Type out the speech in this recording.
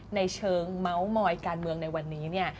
ในเชิงเม้ามอยการเมืองในวันนี้เนี่ย